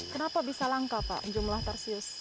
kenapa bisa langka pak jumlah tarsius